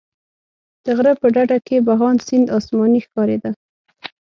د غره په ډډه کې بهاند سیند اسماني ښکارېده.